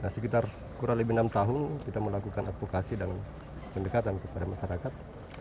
sekitar kurang lebih enam tahun kita melakukan advokasi dan pendekatan kepada masyarakat